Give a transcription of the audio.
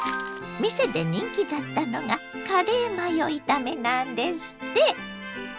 店で人気だったのがカレーマヨ炒めなんですって。